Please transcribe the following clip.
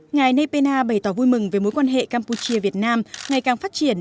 ngài nay pena bày tỏ vui mừng về mối quan hệ campuchia việt nam ngày càng phát triển